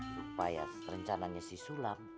supaya rencananya si sulam